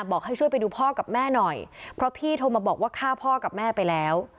บอกให้ช่วยไปดูพ่อกับแม่หน่อยเพราะพี่โทรมาบอกว่าฆ่าพ่อกับแม่ไปแล้ว